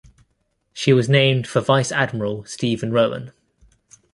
She was named for Vice Admiral Stephen Rowan.